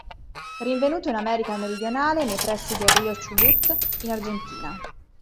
Rinvenuto in America meridionale, nei pressi del Rio Chubut, in Argentina.